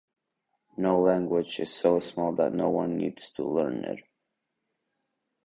No language is so small that no one needs to learn it.